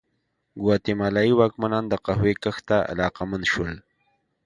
ګواتیلايي واکمنان د قهوې کښت ته علاقمند شول.